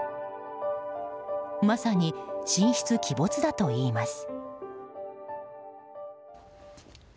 まさに神出鬼没だといいます。